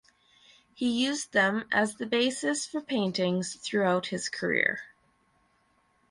He used them as the basis for paintings throughout his career.